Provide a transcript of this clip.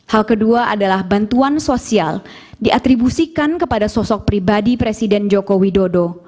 hal kedua adalah bantuan sosial diatribusikan kepada sosok pribadi presiden joko widodo